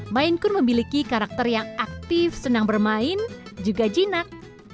mainkun memiliki karakter yang aktif senang bermain juga jinak